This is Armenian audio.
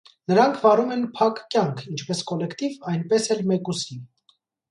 Նրանք վարում են փակ կյանք՝ ինչպես կոլեկտիվ, այնպես էլ մեկուսի։